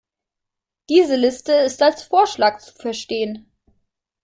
Diese Liste ist als Vorschlag zu verstehen.